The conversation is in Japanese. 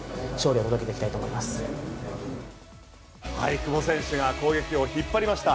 久保選手が攻撃を引っ張りました。